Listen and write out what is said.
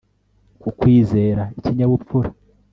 Kukwizeza ikinyabupfura